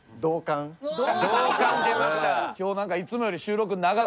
同感出ました。